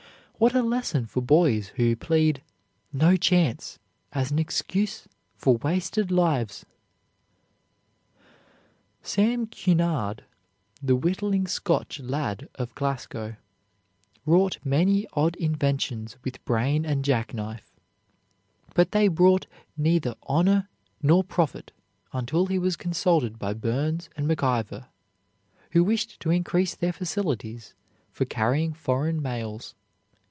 What a lesson for boys who plead "no chance" as an excuse for wasted lives! Sam Cunard, the whittling Scotch lad of Glasgow, wrought many odd inventions with brain and jack knife, but they brought neither honor nor profit until he was consulted by Burns & McIvor, who wished to increase their facilities for carrying foreign mails.